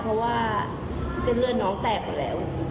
เพราะว่าเส้นเลือดน้องแตกหมดแล้ว